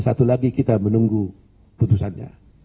satu lagi kita menunggu putusannya